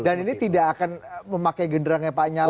dan ini tidak akan memakai genderangnya pak nyala